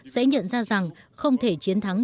sẽ nhận ra rằng không thể chiến thắng